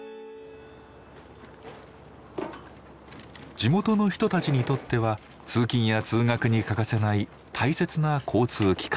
地元の人たちにとっては通勤や通学に欠かせない大切な交通機関。